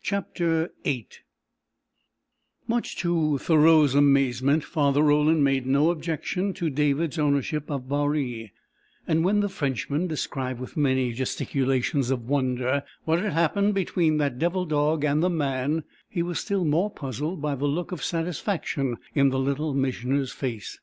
CHAPTER VIII Much to Thoreau's amazement Father Roland made no objection to David's ownership of Baree, and when the Frenchman described with many gesticulations of wonder what had happened between that devil dog and the man, he was still more puzzled by the look of satisfaction in the Little Missioner's face.